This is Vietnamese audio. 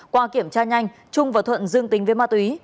qua kiểm tra nhanh trung và thuận dương tính với ma túy